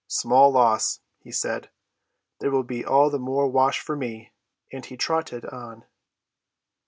"Small loss!" he said. "There will be all the more wash for me!" and he trotted on.